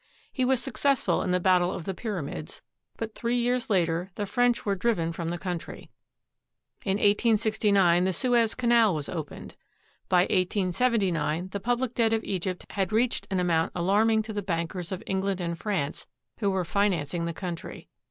He was successful in the battle of the Pyramids; but three years later, the French were driven from the country. In i86g, the Suez Canal was opened. By 1879, the public debt of Egypt had reached an amount alarming to the bankers of England and France who were financing the country.